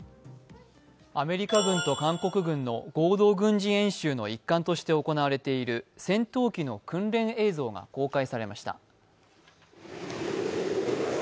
アメリカ軍と韓国軍の合同軍事演習の一環として行われている戦闘機の訓練映像が公開されました。